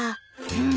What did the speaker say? うん。